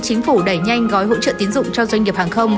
chính phủ đẩy nhanh gói hỗ trợ tiến dụng cho doanh nghiệp hàng không